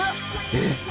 えっ！